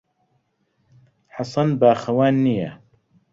حەسەن باخەوان نییە.